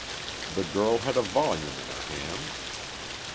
The girl had a volume in her hand.